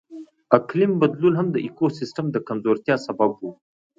اقلیم بدلون هم د ایکوسیستم د کمزورتیا سبب و.